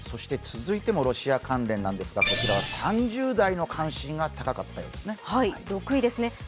続いてもロシア関連なんですが、こちらは３０代の関心が高かったようですね。